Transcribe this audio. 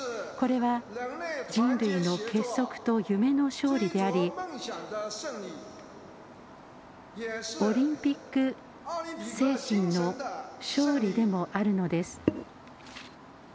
これは人類の結束と夢の勝利でありオリンピック精神の勝利でもあるのです。